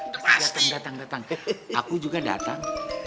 dateng dateng dateng aku juga dateng